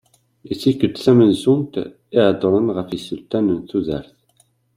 I tikkelt tamenzut i heddren ɣef yisental n tudert.